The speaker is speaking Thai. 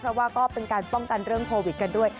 เพราะว่าก็เป็นการป้องกันโปวิคกันด้วย